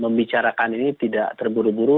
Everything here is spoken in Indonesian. membicarakan ini tidak terburu buru